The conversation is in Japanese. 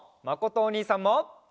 まことおにいさんも。